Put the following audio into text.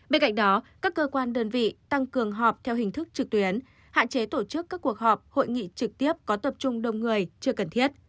bên cạnh đó các cơ quan đơn vị tăng cường họp theo hình thức trực tuyến hạn chế tổ chức các cuộc họp hội nghị trực tiếp có tập trung đông người chưa cần thiết